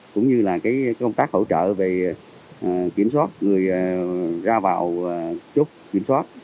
cũng như là công tác hỗ trợ về kiểm soát người ra vào chốt kiểm soát